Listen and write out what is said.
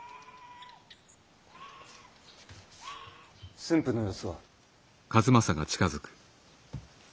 駿府の様子は？